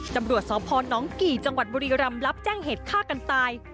ตำรวจสพนกี่จังหวัดบุรีรำรับแจ้งเหตุฆ่ากันตาย